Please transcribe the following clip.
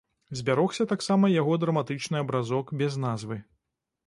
Збярогся таксама яго драматычны абразок без назвы.